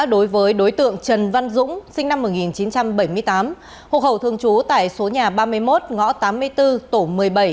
đối với đối tượng trần văn dũng sinh năm một nghìn chín trăm bảy mươi tám hộp hậu thường trú tại số nhà ba mươi một ngõ tám mươi bốn tổ một mươi bảy